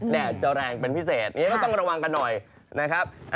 แดดจะแรงเป็นพิเศษอันนี้ก็ต้องระวังกันหน่อยนะครับ